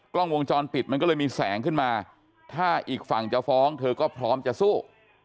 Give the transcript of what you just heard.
กล้องวงจรปิดมันก็เลยมีแสงขึ้นมาถ้าอีกฝั่งจะฟ้องเธอก็พร้อมจะสู้